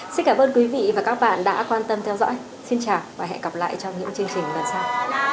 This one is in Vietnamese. xin cảm ơn quý vị và các bạn đã quan tâm theo dõi xin chào và hẹn gặp lại trong những chương trình lần sau